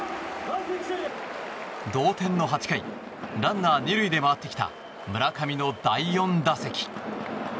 同点の８回ランナー２塁で回ってきた村上の第４打席。